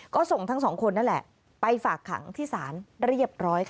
ก็ส่งทั้งสองคนนั่นแหละไปฝากขังที่ศาลเรียบร้อยค่ะ